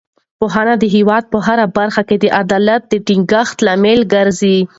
پوهنه د هېواد په هره برخه کې د عدالت د ټینګښت لامل ګرځي.